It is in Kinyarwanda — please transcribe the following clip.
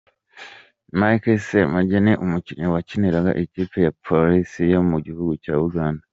Mike Sserumagga ni umukinnyi wakiniraga ikipe ya Prolines yo mu gihugu cya Uganda.